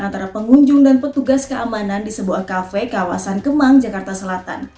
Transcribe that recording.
antara pengunjung dan petugas keamanan di sebuah kafe kawasan kemang jakarta selatan